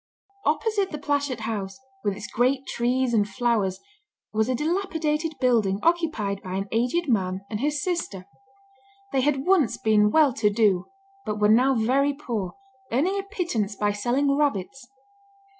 Opposite the Plashet House, with its great trees and flowers, was a dilapidated building occupied by an aged man and his sister. They had once been well to do, but were now very poor, earning a pittance by selling rabbits.